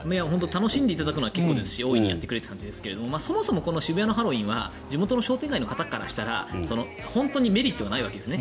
楽しんでいただくのは結構ですし大いにやってくれという感じですがそもそも渋谷のハロウィーンは地元の商店街の方からしたら本当にメリットがないわけです。